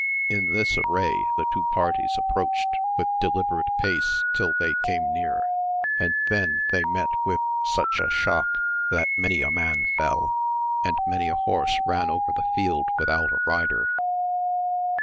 In this array the two parties approached with deliberate pace till they came near, and then they met with such a shock that many a man fell, and many a horse ran over the field without a rider.